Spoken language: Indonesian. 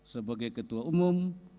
sebagai ketua umum